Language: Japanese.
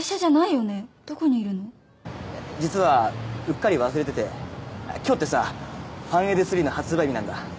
実はうっかり忘れてて今日ってさファンエデ３の発売日なんだ。